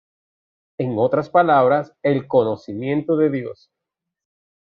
En otras palabras, el conocimiento de Dios"".